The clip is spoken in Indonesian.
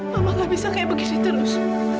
mama gak bisa kayak begini terus